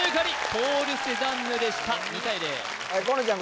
ポール・セザンヌでした２対０河野ちゃん